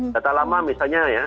data lama misalnya ya